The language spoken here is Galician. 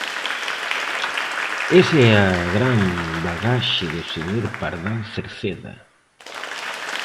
Esa é a gran bagaxe do señor Pardal Cerceda.